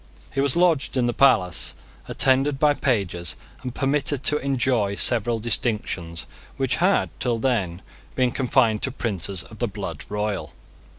He was lodged in the palace, attended by pages, and permitted to enjoy several distinctions which had till then been confined to princes of the blood royal.